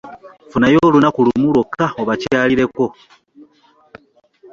Funayo olunaku lumu lwokka obakyalireko.